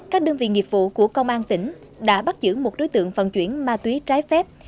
các đơn vị nghiệp vụ của công an tỉnh đã bắt giữ một đối tượng vận chuyển ma túy trái phép